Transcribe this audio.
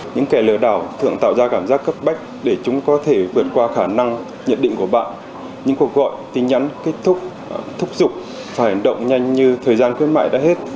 những kẻ lừa đảo thường tạo ra cảm giác cấp bách để chúng có thể vượt qua khả năng nhận định của bạn những cuộc gọi tin nhắn kết thúc thúc giục phải động nhanh như thời gian khuyến mại đã hết